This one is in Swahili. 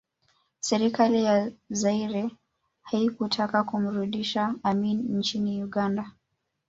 Serikali ya Zaire haikutaka kumrudisha Amin nchini Uganda